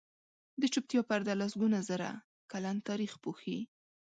د چوپتیا پرده لسګونه زره کلن تاریخ پوښي.